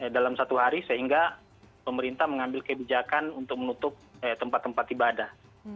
dalam satu hari sehingga pemerintah mengambil kebijakan untuk menutup tempat tempat ibadah